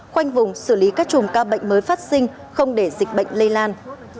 khoanh vùng xử lý các chùm ca bệnh mới phát sinh không để dịch bệnh lây lan